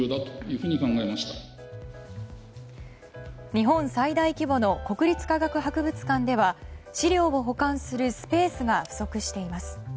日本最大規模の国立科学博物館では資料を保管するスペースが不足しています。